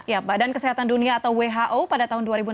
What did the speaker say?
ya badan kesehatan dunia atau who pada tahun dua ribu enam belas